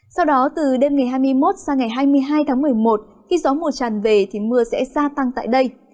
sau đó từ đêm ngày hai mươi một sang ngày hai mươi hai tháng một mươi một khi gió mùa tràn về thì mưa sẽ gia tăng tại đây